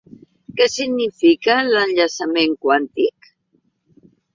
Què significa l'enllaçament quàntic?